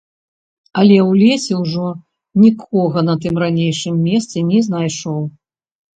Але ў лесе ўжо нікога на тым ранейшым месцы не знайшоў.